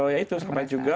ya itu sama juga